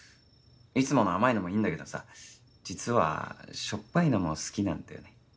いつもの甘いのもいいんだけどさ実はしょっぱいのも好きなんだよね。